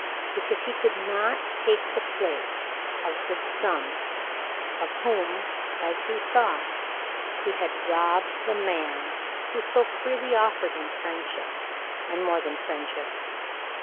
Because he could not take the place of the son, of whom, as he thought, he had robbed the man who so freely offered him friendship and more than friendship.